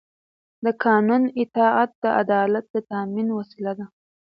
د قانون اطاعت د عدالت د تامین وسیله ده